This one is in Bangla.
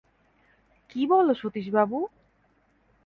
কী বল সতীশবাবু!